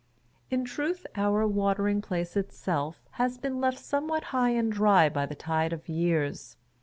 In truth our Watering Place itself has been left somewhat high and dry. by the tide of years.